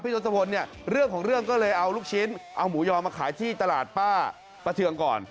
ทศพลเนี่ยเรื่องของเรื่องก็เลยเอาลูกชิ้นเอาหมูยอมาขายที่ตลาดป้าประเทืองก่อน